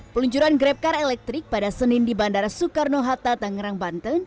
peluncuran grab car electric pada senin di bandara soekarno hatta tangerang banten